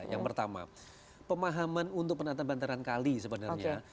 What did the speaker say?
yang pertama pemahaman untuk penataan bantaran kali sebenarnya